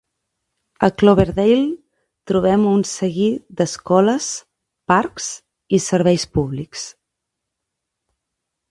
A Cloverdale trobem un seguir d'escoles, parcs i serveis públics.